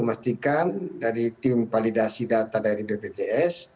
memastikan dari tim validasi data dari bpjs